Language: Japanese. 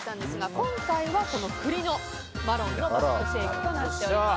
今回は栗のマロンのバスクシェイクとなっております。